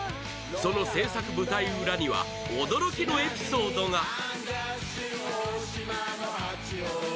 その制作舞台裏には驚きのエピソードが。